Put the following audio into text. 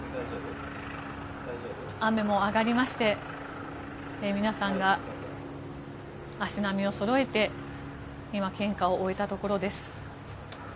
雨も上がりまして皆さんが足並みをそろえて今、献花を終えたところです。